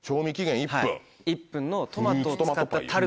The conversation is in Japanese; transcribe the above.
１分のトマトを使ったタルトみたいな。